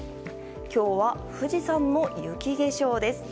今日は富士山の雪化粧です。